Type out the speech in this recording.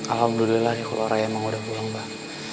alhamdulillah di keluarga rayang udah pulang pak